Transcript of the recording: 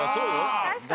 確かに。